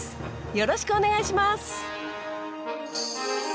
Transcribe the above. よろしくお願いします！